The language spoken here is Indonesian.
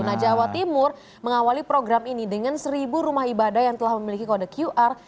nah jawa timur mengawali program ini dengan seribu rumah ibadah yang telah memiliki kode qr